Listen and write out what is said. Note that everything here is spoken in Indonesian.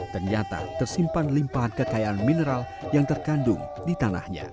ternyata tersimpan limpahan kekayaan mineral yang terkandung di tanahnya